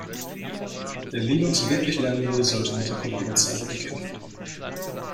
Wer Linux wirklich lernen will, sollte mit der Kommandozeile beginnen.